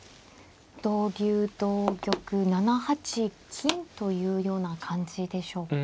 同竜同玉７八金というような感じでしょうか。